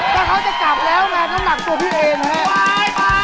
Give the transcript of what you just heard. แต่เขาจะกลับแล้วไงนำหลักตัวพี่เองนะครับ